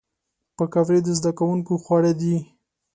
پکورې د زدهکوونکو خواړه دي